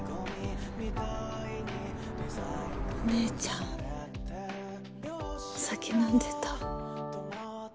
お姉ちゃんお酒飲んでた。